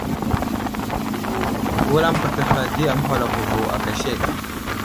Wulam pətəhha di aməhwalako vo aka sek.